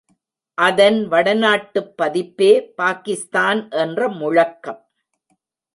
அதன் வடநாட்டுப் பதிப்பே பாகிஸ்தான் என்ற முழக்கம்.